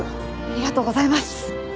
ありがとうございます。